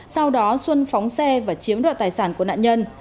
sau đó xuân phóng xe và chiếm đoạt tài sản của nạn nhân